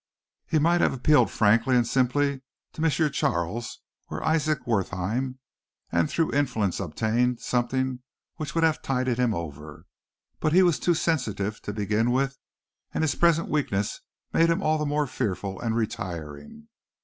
He might have appealed frankly and simply to M. Charles or Isaac Wertheim and through influence obtained something which would have tided him over, but he was too sensitive to begin with and his present weakness made him all the more fearful and retiring.